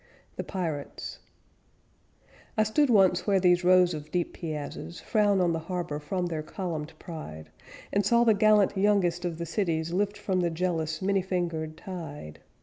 H.A. THE PIRATES I stood once where these rows of deep piazzas Frown on the harbor from their columned pride, And saw the gallant youngest of the cities Lift from the jealous many fingered tide.